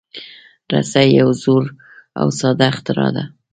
رسۍ یو زوړ او ساده اختراع ده.